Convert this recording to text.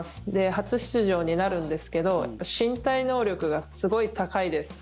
初出場になるんですけど身体能力がすごい高いです。